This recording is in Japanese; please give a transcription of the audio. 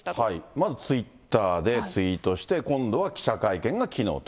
まずツイッターでツイートして、今度は記者会見がきのうと。